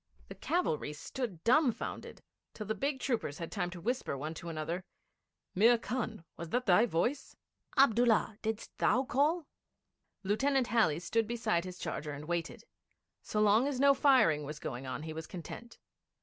The cavalry stood dumbfoundered, till the big troopers had time to whisper one to another: 'Mir Khan, was that thy voice? Abdullah, didst thou call?' Lieutenant Halley stood beside his charger and waited. So long as no firing was going on he was content.